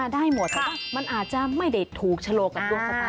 ได้หมดแต่ว่ามันอาจจะไม่ได้ถูกฉลกกับดวงชะตา